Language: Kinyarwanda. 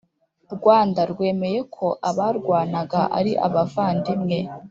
rwanda rwemeye ko abarwanaga ari abavandimwe.